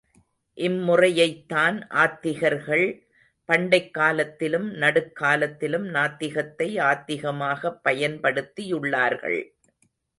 இம்முறையைத்தான் ஆத்திகர்கள் பண்டைக் காலத்திலும், நடுக் காலத்திலும் நாத்திகத்தை ஆத்திகமாக்கப் பயன்படுத்தியுள்ளார்கள்.